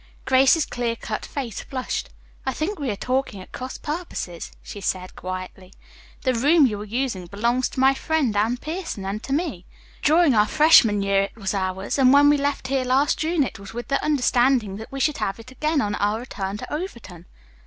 Grace's clear cut face flushed. "I think we are talking at cross purposes," she said quietly. "The room you are using belongs to my friend Anne Pierson and to me. During our freshman year it was ours, and when we left here last June it was with the understanding that we should have it again on our return to Overton."